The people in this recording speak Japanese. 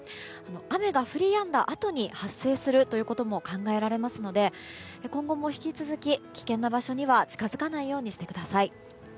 雨が降りやんだあとに発生するということも考えられますので今後も引き続き危険な場所には近づかないようにしてください。